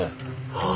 ああ。